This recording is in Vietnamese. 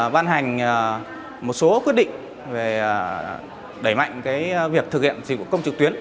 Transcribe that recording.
ban hành một số quyết định về đẩy mạnh việc thực hiện dịch vụ công trực tuyến